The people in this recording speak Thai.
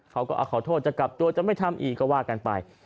เขาก็ขอโทษจะกลับตัวจะไม่ทำอีกก็ว่ากันไป